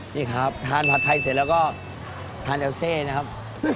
นี่ครับทานผัดไทยเสร็จแล้วก็ทานเอลเซนะครับ